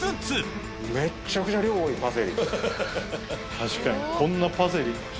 確かにこんなパセリ。